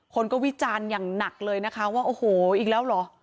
คนก็วิจารณ์อย่างหนักเลยนะคะว่าโอ้โหอีกแล้วเหรอ